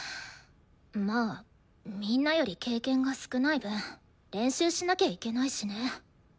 まあみんなより経験が少ない分練習しなきゃいけないしね。